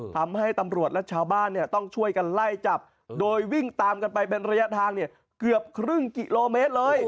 ทำให้ตำรวจและชาวบ้านต้องช่วยกันไล่จับโดยวิ่งตามกันไปเป็นระยะทางเกือบครึ่งกิโลเมตรเลย